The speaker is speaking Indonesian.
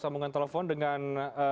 sambungan telepon dengan